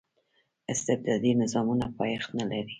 استبدادي نظامونه پایښت نه لري.